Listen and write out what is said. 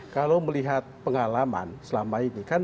kalau melihat pengalaman selama ini kan